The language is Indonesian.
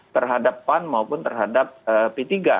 terhadap pan maupun terhadap p tiga